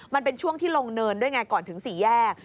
มันเป็นช่วงที่ลงเนินด้วยไงก่อนถึงสี่แยก